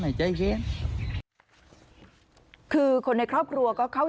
ตอนนี้ก็เพิ่งที่จะสูญเสียคุณย่าไปไม่นาน